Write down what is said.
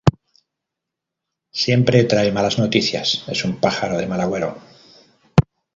Siempre trae malas noticias, es un pájaro de mal agüero